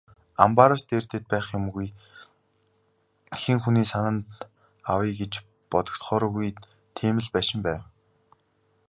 Амбаараас дээрдээд байх юмгүй, хэн хүний санаанд авъя гэж бодогдохооргүй тийм л байшин байлаа.